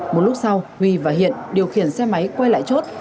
một lúc sau huy và hiện điều khiển xe máy quay lại chốt